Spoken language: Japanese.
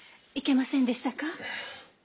いけませんでしたか？